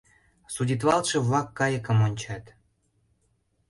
Судитлалтше-влак кайыкым ончат.